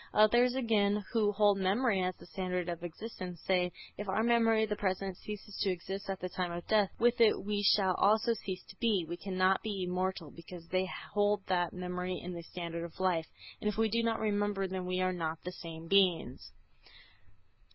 Others, again, who hold memory as the standard of existence, say, if our memory of the present ceases to exist at the time of death, with it we shall also cease to be; we cannot be immortal; because they hold that memory is the standard of life, and if we do not remember then we are not the same beings.